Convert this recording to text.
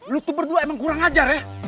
lu tuh berdua emang kurang ajar ya